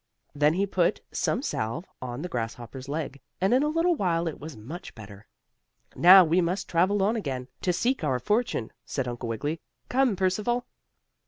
Then he put some salve on the grasshopper's leg, and in a little while it was much better. "Now we must travel on again, to seek our fortune," said Uncle Wiggily. "Come, Percival."